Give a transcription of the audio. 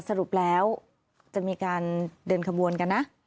สรุปแล้วจะมีการเดินขบวนกันนะ